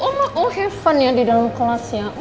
uma oh have fun ya di dalam kelasnya